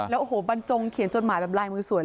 แล้วบรรจงเขียนจดหมายแบบไล่มือสวยเลยนะ